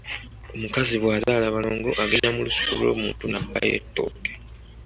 Omukazi bwazaala abalongo agenda mu lusuku lw’omuntu n’abbayo ettooke.